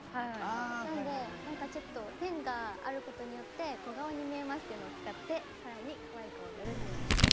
なんで何かちょっと手があることによって小顔に見えますっていうのを使って更にかわいく踊るっていうのがポイントです。